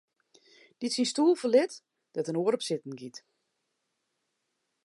Dy't syn stoel ferlit, dêr't in oar op sitten giet.